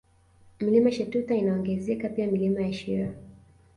Mlima Shetuta inaongezeka pia Milima ya Shira